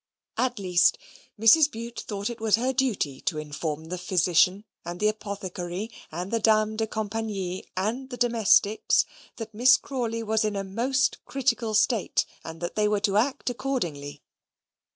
At least, Mrs. Bute thought it was her duty to inform the physician, and the apothecary, and the dame de compagnie, and the domestics, that Miss Crawley was in a most critical state, and that they were to act accordingly.